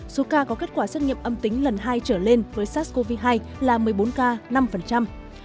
số ca có kết quả xét nghiệm âm tính lần hai trở lên với sars cov hai là một mươi bốn ca năm